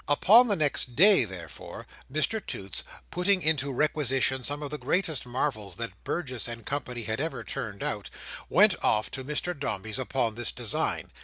Upon the next day, therefore, Mr Toots, putting into requisition some of the greatest marvels that Burgess and Co. had ever turned out, went off to Mr Dombey's upon this design.